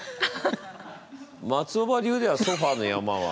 松尾葉流では「ソファーの山」は。